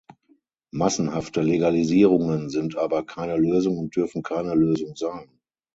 Massenhafte Legalisierungen sind aber keine Lösung und dürfen keine Lösung sein.